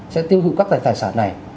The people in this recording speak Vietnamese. sẽ tiêu thụ các tài sản này